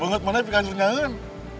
banget banget nih pikir pikirnya em